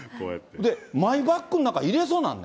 で、マイバッグの中、入れそうになんの。